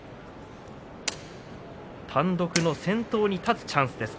単独の先頭に立つチャンスです